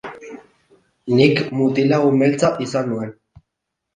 Nik mutil-lagun beltza izan nuen.